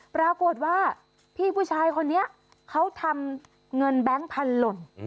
ปรากฏว่าพี่ผู้ชายคนนี้เขาทำเงินแบงค์พันหล่น